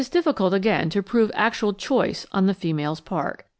It is difficult, again, to prove actual "choice" on the female's part.